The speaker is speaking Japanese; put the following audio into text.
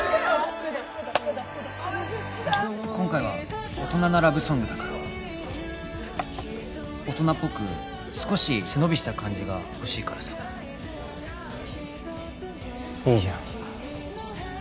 今回は大人なラブソングだから大人っぽく少し背伸びした感じが欲しいからさいいじゃん